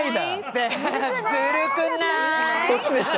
そっちでした。